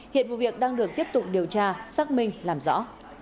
hiện vụ việc đang được tiếp tục điều tra xác minh làm rõ